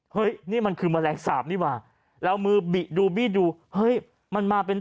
เฮ้ยนี่มันคือแมลงสาปนี่ว่ะแล้วเอามือบิดูบี้ดูเฮ้ยมันมาเป็น